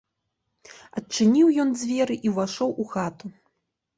Адчыніў ён дзверы і ўвайшоў у хату.